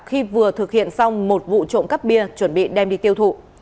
khi vừa thực hiện xong một vụ trộm cắp bia chuẩn bị đem đi tiêu thụ